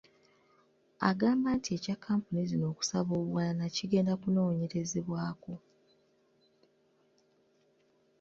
Agamba nti ekya kkampuni zino okusaba obuwanana kigenda kunoonyerezebwako.